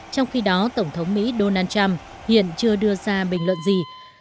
trong khi đó tổng thống mỹ donald trump hiện chưa đưa ra bình luận gì